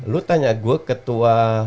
lu tanya gue ketua